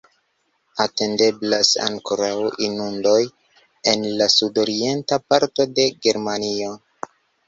Atendeblas ankoraŭ inundoj en la sudorienta parto de Germanio.